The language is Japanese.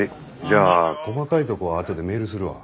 じゃあ細かいとこはあとでメールするわ。